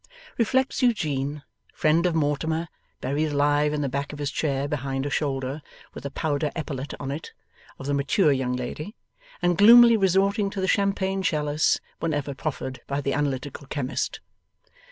Reflects Eugene, friend of Mortimer; buried alive in the back of his chair, behind a shoulder with a powder epaulette on it of the mature young lady, and gloomily resorting to the champagne chalice whenever proffered by the Analytical Chemist.